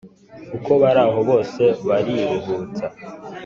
uko baraho bose bariruhutsa.